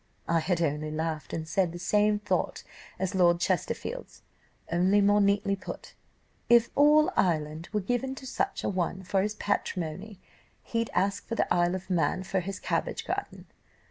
I only laughed, and said 'The same thought as Lord Chesterfield's, only more neatly put.' 'If all Ireland were given to such a one for his patrimony, he'd ask for the Isle of Man for his cabbage garden.